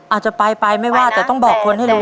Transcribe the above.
อาจจะไปไปไม่ว่าแต่ต้องบอกคนให้รู้